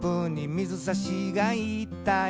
「水さしが言ったよ」